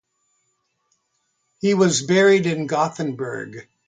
He was buried in Gothenburg.